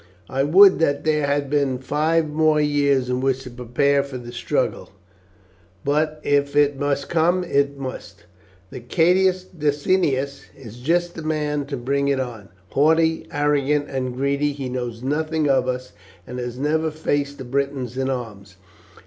I would that there had been five more years in which to prepare for the struggle, but if it must come it must. This Catus Decianus is just the man to bring it on. Haughty, arrogant, and greedy, he knows nothing of us, and has never faced the Britons in arms.